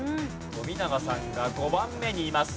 富永さんが５番目にいます。